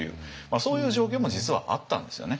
そういう状況も実はあったんですよね。